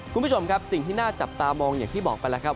คุณผู้ชมครับสิ่งที่น่าจับตามองอย่างที่บอกไปแล้วครับ